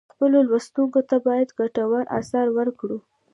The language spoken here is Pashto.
خپلو لوستونکو ته باید ګټور آثار ورکړو.